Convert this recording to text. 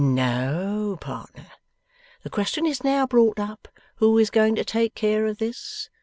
'No, partner. The question is now brought up, who is going to take care of this.